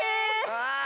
わあ！